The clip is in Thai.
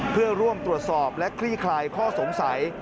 เพื่อร่วมตรวจสอบและคลี่คลายข้อสงสัย